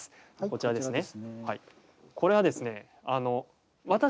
こちらですね